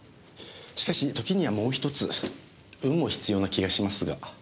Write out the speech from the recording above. しかし時にはもう１つ運も必要な気がしますが。